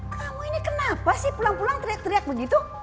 kamu ini kenapa sih pulang pulang teriak teriak begitu